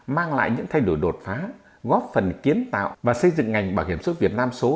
mang lại những thay đổi đột phá góp phần kiến tạo và xây dựng ngành bảo hiểm số việt nam số